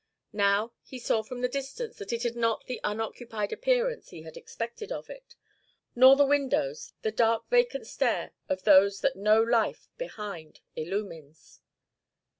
Now he saw from the distance that it had not the unoccupied appearance he had expected of it; nor the windows, the dark vacant stare of those that no life behind illumines.